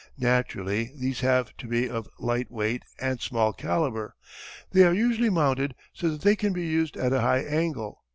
Naturally these have to be of light weight and small calibre. They are usually mounted so that they can be used at a high angle.